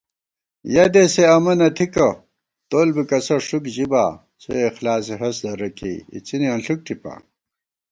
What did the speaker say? یَہ دېسےامہ نہ تھِکہ ، تول بی کسہ ݭُک ژِبا * څواخلاصےہست درہ کېئی اِڅِنےانݪُک ٹِپا